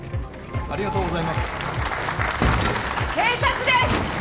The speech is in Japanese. ありがとうございます警察です！